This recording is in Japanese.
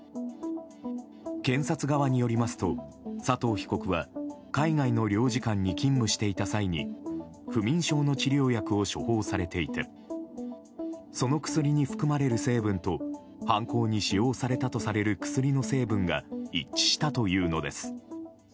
検察側によりますと佐藤被告は海外の領事館に勤務していた際に不眠症の治療薬を処方されていてその薬に含まれる成分と犯行に使用されたとされる薬の成分が一致したというのです。